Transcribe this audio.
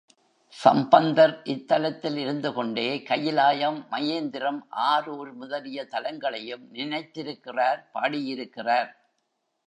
சம்பந்தர் இத்தலத்தில் இருந்து கொண்டே கயிலாயம், மயேந்திரம், ஆரூர் முதலிய தலங்களையும் நினைத்திருக்கிறார் பாடியிருக்கிறார்.